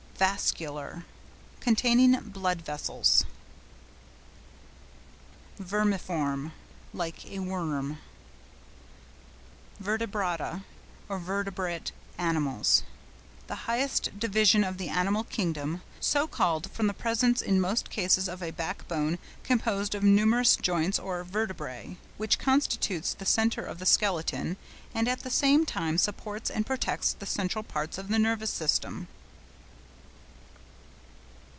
VASCULAR.—Containing blood vessels. VERMIFORM.—Like a worm. VERTEBRATA or VERTEBRATE ANIMALS.—The highest division of the animal kingdom, so called from the presence in most cases of a backbone composed of numerous joints or vertebræ, which constitutes the centre of the skeleton and at the same time supports and protects the central parts of the nervous system.